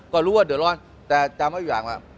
ก็รู้ว่าเดี๋ยวร้อนแต่จำให้อยู่อย่างแหละ